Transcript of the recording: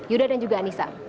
yuda dan juga anissa